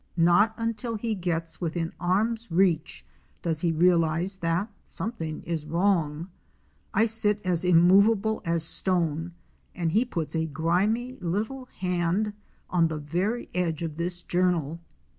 Not until he gets within arm's reach does he realize that something is wrong. I sit as immovable as stone and he puts a grimy little hand on the very edge of this journal.